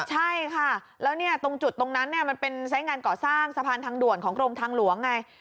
ใช่ค่ะแล้วเนี่ยตรงจุดตรงนั้นมันเป็นไซส์งานก่อสร้างสะพานทางด่วนของกรมทางหลวงไง